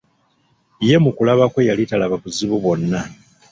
ye mu kulaba kwe yali talaba buzibu bwonna.